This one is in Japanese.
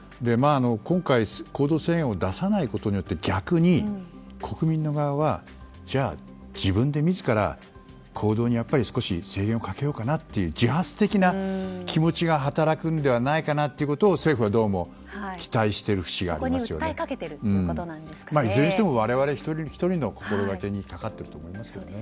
今回行動制限を出さないことで逆に国民の側はじゃあ、自分でみずからの行動に少し制限をかけようかなという自発的な気持ちが働くのではないかということを政府はそこに訴えかけているいずれにしても我々一人ひとりの心がけにかかっていると思いますね。